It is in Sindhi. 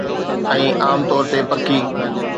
۽ عام طور تي پکي